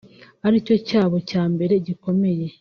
ari cyo cyabo cya mbere gikomeye